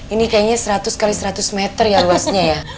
ini kayaknya seratus x seratus meter ya luasnya ya